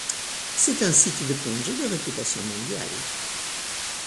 C'est un site de plongée de réputation mondiale.